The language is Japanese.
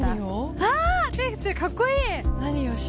あー、手振ってる、かっこいい。